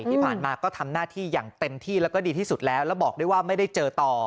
ที่ผ่านมาก็ทำหน้าที่อย่างเต็มที่แล้วก็ดีที่สุดแล้วแล้วบอกด้วยว่าไม่ได้เจอต่อ